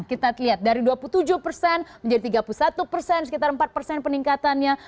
kita lihat dari dua puluh tujuh persen menjadi tiga puluh satu persen sekitar empat persen peningkatannya